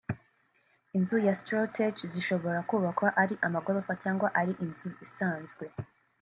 Inzu za Strawtech zishobora kubakwa ari amagorofa cyangwa ari inzu isanzwe